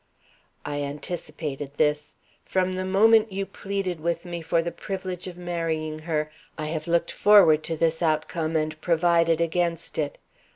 "I anticipated this. From the moment you pleaded with me for the privilege of marrying her, I have looked forward to this outcome and provided against it.